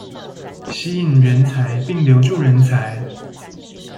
吸引人才並留住人才